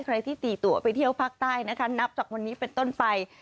ใครที่ตีตัวไปเที่ยวภาคใต้นะคะนับจากวันนี้เป็นต้นไป